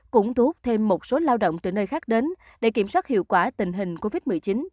cũng thu hút thêm một số lao động từ nơi khác đến để kiểm soát hiệu quả tình hình covid một mươi chín